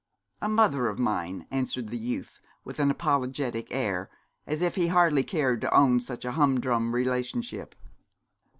'A mother of mine,' answered the youth, with an apologetic air, as if he hardly cared to own such a humdrum relationship.